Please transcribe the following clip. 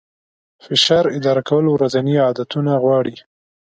فشار اداره کول ورځني عادتونه غواړي.